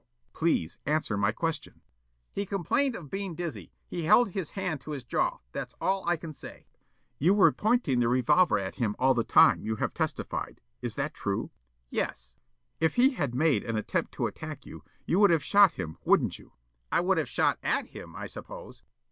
Please answer my question?" Yollop: "He complained of being dizzy. He held his hand to his jaw. That's all I can say." Counsel: "You were pointing the revolver at him all the time, you have testified. Is that true?" Yollop: "Yes." Counsel: "If he had made an attempt to attack you, you would have shot him, wouldn't you?" Yollop: "I would have shot AT him, I suppose."